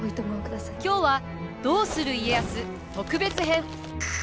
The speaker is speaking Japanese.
今日は「どうする家康特別編」！